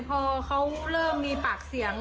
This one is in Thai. พอเขาเริ่มมีปากเสียง